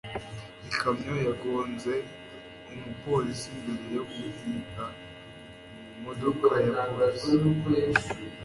ikamyo yagonze umupolisi mbere yo guhinga mu modoka ya polisi